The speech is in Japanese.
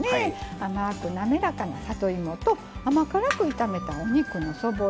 甘くなめらかな里芋と甘辛く炒めたお肉のそぼろ